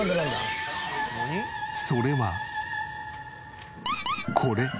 それはこれ。